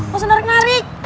gak usah tarik tarik